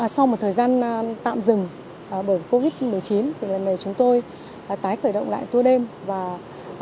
sau một thời gian tạm dừng bởi covid một mươi chín lần này chúng tôi đã tái hóa khu vực này